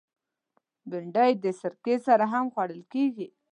بېنډۍ د سرکه سره هم خوړل کېږي